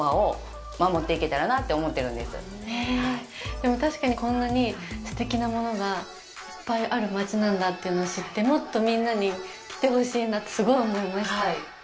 でも、確かに、こんなにすてきなものがいっぱいある町なんだっていうのを知って、もっとみんなに来てほしいなって、すごい思いました。